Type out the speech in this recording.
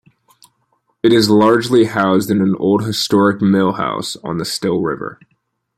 It is largely housed in an old historic mill house, on the Still River.